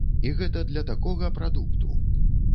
І гэта для такога прадукту!